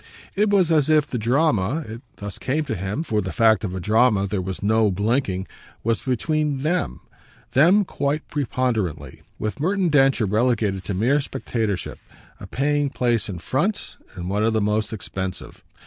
It was as if the drama it thus came to him, for the fact of a drama there was no blinking was between THEM, them quite preponderantly; with Merton Densher relegated to mere spectatorship, a paying place in front, and one of the most expensive.